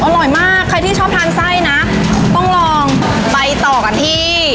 อร่อยมากใครที่ชอบทานไส้นะต้องลองไปต่อกันที่